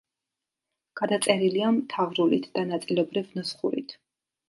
გადაწერილია მთავრულით და ნაწილობრივ ნუსხურით.